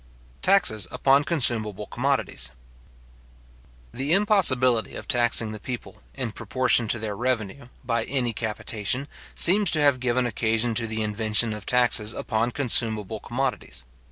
Taxes upon Consumable Commodities. The impossibility of taxing the people, in proportion to their revenue, by any capitation, seems to have given occasion to the invention of taxes upon consumable commodities.